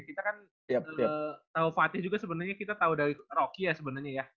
kita kan tahu fatih juga sebenarnya kita tahu dari rocky ya sebenarnya ya